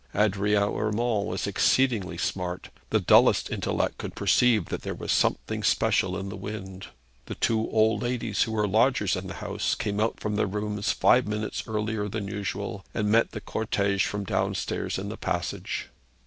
Adrian Urmand was exceedingly smart. The dullest intellect could perceive that there was something special in the wind. The two old ladies who were lodgers in the house came out from their rooms five minutes earlier than usual, and met the cortege from downstairs in the passage.